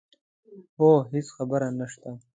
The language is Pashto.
هو هېڅ خبره نه شته.